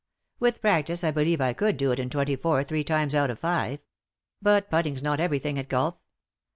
With practice I believe I could do it in twenty four three times out of five. But put ting's not everything at golf.